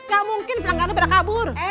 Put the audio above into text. gak mungkin pelanggan lo berakabur